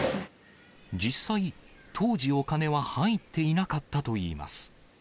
実際、当時お金は入っていなかったといいます。